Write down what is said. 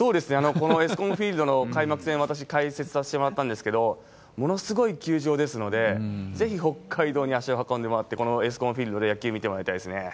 このエスコンフィールドの開幕戦、私解説させてもらったんですけど、ものすごい球場ですので、ぜひ北海道に足を運んでもらって、このエスコンフィールドで野球見てもらいたいですね。